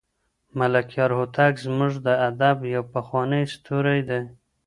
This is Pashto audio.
ملکیار هوتک زموږ د ادب یو پخوانی ستوری دی.